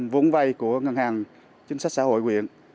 vốn vay của ngân hàng chính sách xã hội quyện